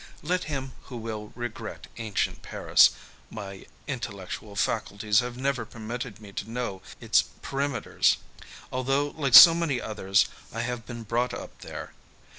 Let him who will regret ancient Paris ; my intel lectual faculties have never permitted me to know its di^ imtrs^ although like so many others I have been brought up there.